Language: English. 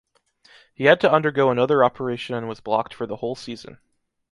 He had to undergo another operation and was blocked for the whole season.